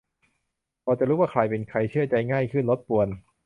-พอจะรู้ใครเป็นใคร เชื่อใจง่ายขึ้น ลดป่วน